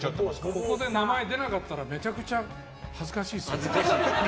ここで名前が出なかったらめちゃくちゃ恥ずかしいですよね。